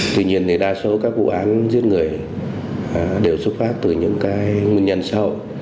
tuy nhiên thì đa số các vụ án giết người đều xuất phát từ những cái nguyên nhân sâu